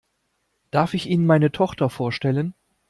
Darf ich Ihnen meine Tochter vorstellen?